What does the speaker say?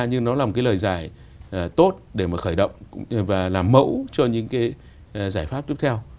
nhưng nó là một cái lời giải tốt để mà khởi động và làm mẫu cho những cái giải pháp tiếp theo